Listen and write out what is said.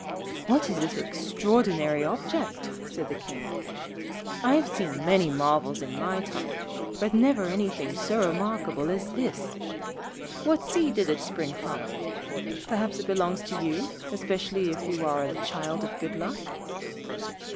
'What is that extraordinary object?' said the King. 'I have seen many marvels in my time, but never anything so remarkable as this. What seed did it spring from? Perhaps it belongs to you, especially if you are a child of good luck?'